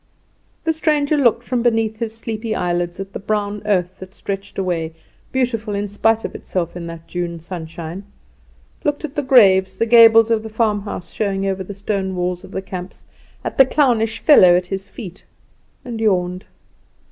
The stranger looked from beneath his sleepy eyelids at the brown earth that stretched away, beautiful in spite of itself in that June sunshine; looked at the graves, the gables of the farmhouse showing over the stone walls of the camps, at the clownish fellow at his feet, and yawned.